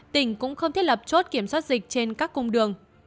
tỉnh cũng không thiết lập chốt kiểm soát dịch trên các cung đường